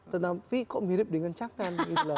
tentang v kok mirip dengan cangan